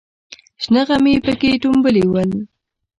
شنه غمي پکې ټومبلې ول.